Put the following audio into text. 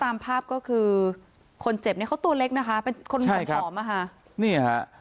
ตามภาพก็คือคนเจ็บเนี่ยเขาตัวเล็กนะคะเป็นคนส่งผอมอ่ะค่ะนี่ฮะ